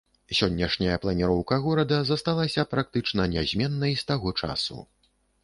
Сённяшняя планіроўка горада засталася практычна нязменнай з таго часу.